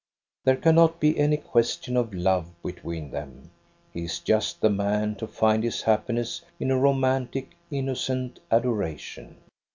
There cannot be any question of love between them ; he is just the man to find his happiness in a romantic, innocent adoration.